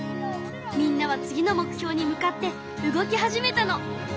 みんなは次の目標に向かって動き始めたの。